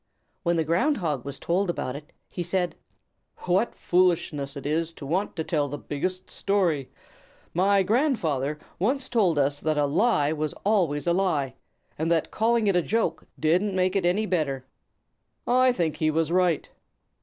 When the Ground Hog was told about it he said, "What foolishness it is to want to tell the biggest story! My grandfather told us once that a lie was always a lie, and that calling it a joke didn't make it any better. I think he was right."